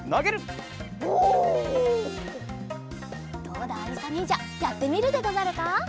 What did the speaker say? どうだありさにんじゃやってみるでござるか？